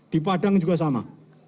di padang juga sama